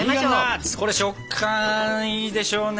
これ食感いいでしょうね。